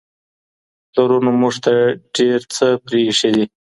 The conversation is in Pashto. پلرونو موږ ته ډېر څه پرېښي دي.